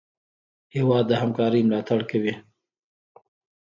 هېواد د همکارۍ ملاتړ کوي.